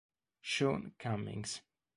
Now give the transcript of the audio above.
Shaun Cummings